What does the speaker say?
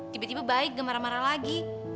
tiba tiba baik gak marah marah lagi